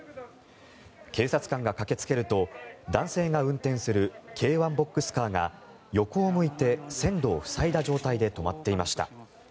警察官が駆けつけると男性が運転する軽ワンボックスカーが横を向いて線路を塞いだ状態で止まっていました。